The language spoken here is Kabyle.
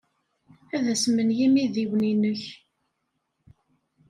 Ad asmen yimidiwen-nnek.